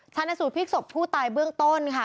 ชนะสูตรพลิกศพผู้ตายเบื้องต้นค่ะ